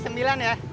bebek sembilan ya